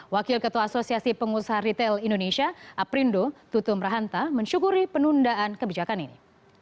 wakil ketua asosiasi pengusaha retail indonesia aprindo tutum rahanta mensyukuri penundaan kebijakan ini